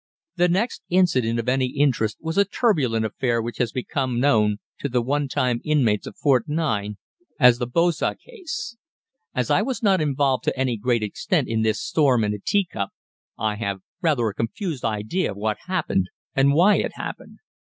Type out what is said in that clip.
The next incident of any interest was a turbulent affair which has become known to the one time inmates of Fort 9 as the Bojah case. As I was not involved to any great extent in this storm in a teacup, I have rather a confused idea of what happened and why it happened.